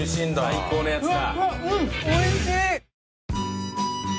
最高のやつだ。